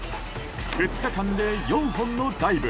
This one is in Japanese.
２日間で４本のダイブ